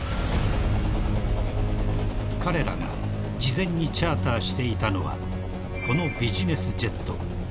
［彼らが事前にチャーターしていたのはこのビジネスジェット］